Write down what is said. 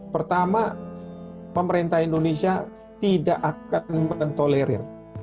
pertama pemerintah indonesia tidak akan mentolerir